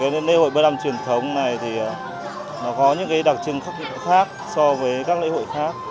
lễ hội bơi đăm truyền thống này có những đặc trưng khác so với các lễ hội khác